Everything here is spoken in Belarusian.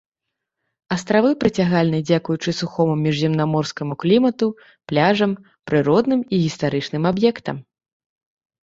Астравы прыцягальны дзякуючы сухому міжземнаморскаму клімату, пляжам, прыродным і гістарычным аб'ектам.